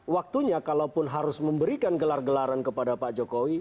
waktunya kalaupun harus memberikan gelar gelaran kepada pak jokowi